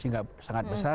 sehingga sangat besar